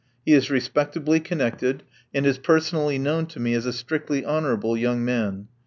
He is respectably connected, and is personally known to me as a strictly honorable young man.